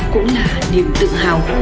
cũng là niềm tự hào